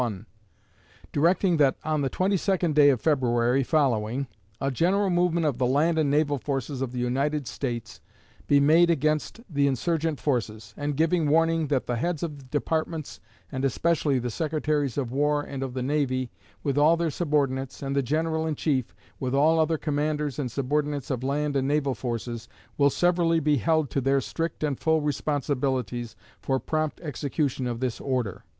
I," directing that, on the 22d day of February following, "a general movement of the land and naval forces of the United States" be made against the insurgent forces, and giving warning that "the heads of departments, and especially the Secretaries of War and of the Navy, with all their subordinates, and the General in Chief, with all other commanders and subordinates of land and naval forces, will severally be held to their strict and full responsibilities for prompt execution of this order."